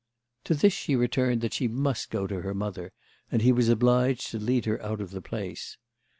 To this she returned that she must go to her mother, and he was obliged to lead her out of the place.